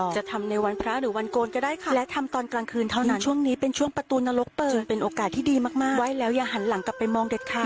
จึงเป็นโอกาสที่ดีมากไหว้แล้วยังหันหลังกลับไปมองเด็ดขาด